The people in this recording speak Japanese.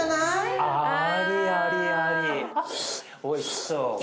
おいしそう。